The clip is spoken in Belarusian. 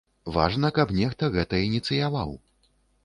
Важна, каб нехта гэта ініцыяваў.